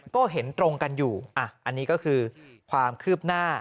ก็เห็นตรงกันอยู่อันนี้ก็คือความคืบหน้า